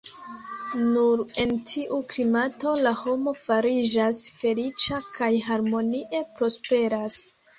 Nur en tiu klimato la homo fariĝas feliĉa kaj harmonie prosperas.